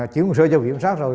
chuyển hồ sơ cho vị kiểm soát rồi